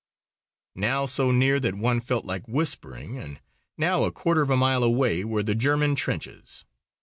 Now so near that one felt like whispering, and now a quarter of a mile away, were the German trenches.